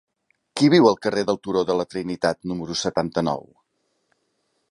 Qui viu al carrer del Turó de la Trinitat número setanta-nou?